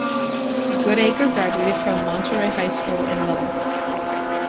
Goodacre graduated from Monterey High School in Lubbock.